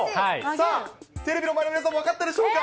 さあ、テレビの前の皆さんも分かったでしょうか。